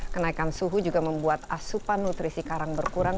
kenaikan suhu juga membuat asupan nutrisi karang berkurang